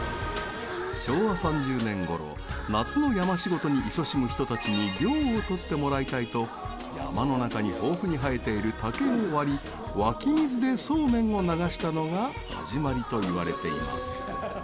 昭和３０年頃夏の山仕事にいそしむ人たちに涼を取ってもらいたいと山の中に豊富に生えている竹を割り、湧き水でそうめんを流したのが始まりといわれています。